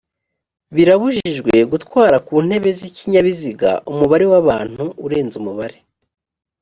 birabujijwe gutwara ku ntebe z ikinyabiziga umubare w abantu urenze umubare